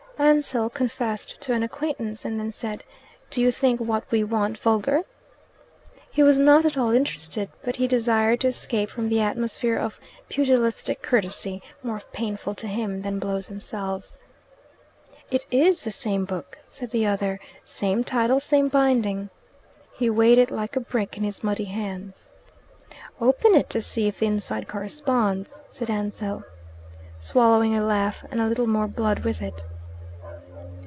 Ansell confessed to an acquaintance, and then said, "Do you think 'What We Want' vulgar?" He was not at all interested, but he desired to escape from the atmosphere of pugilistic courtesy, more painful to him than blows themselves. "It IS the same book," said the other "same title, same binding." He weighed it like a brick in his muddy hands. "Open it to see if the inside corresponds," said Ansell, swallowing a laugh and a little more blood with it.